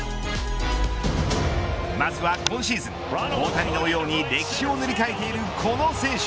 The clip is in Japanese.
まずは今シーズン、大谷のように歴史を塗り替えている、この選手